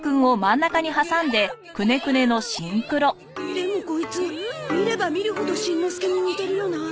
でもコイツ見れば見るほどしんのすけに似てるよな。